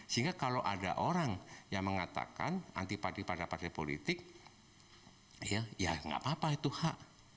sehingga kalau ada orang yang mengatakan antipati pada partai politik ya nggak apa apa itu hak